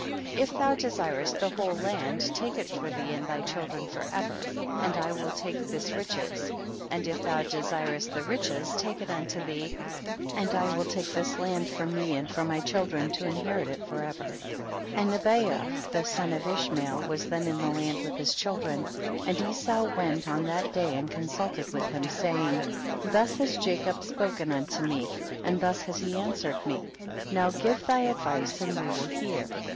19. If thou desirest the whole land take it for thee and thy children for ever, and I will take tiiis riches, and if thou desirest the riches take it unto thee, and I will take this land for me and for my children to inherit it for ever. 20. And Nebayoth, the son of Ish mael, was then in the land with his children, and Esau went on that day and consulted with him, saying, 21. Thus has Jacob spoken unto me, and thus has he answered me, now give thy advice and we will hear. 22.